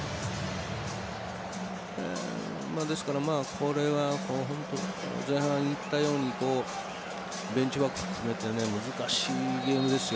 これは前半言ったようにベンチワーク含めて難しいゲームですよ。